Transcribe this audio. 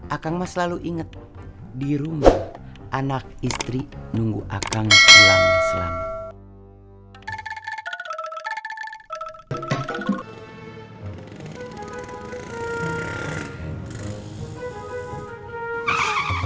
akan mas lalu inget di rumah anak istri nunggu akan selama selama